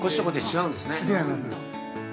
◆違います。